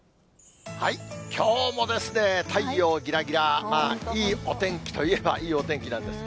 きょうもですね、太陽ぎらぎら、いいお天気といえばいいお天気なんです。